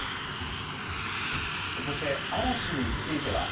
そして嵐については。